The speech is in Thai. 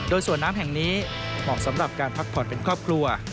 โดยสวนน้ำแห่งนี้เหมาะสำหรับการพักผ่อนเป็นครอบครัว